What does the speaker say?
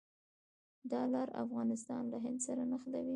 دا لار افغانستان له هند سره نښلوي.